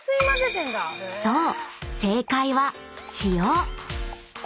［そう］